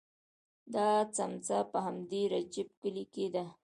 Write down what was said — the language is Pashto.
دا څمڅه په همدې رجیب کلي کې ده.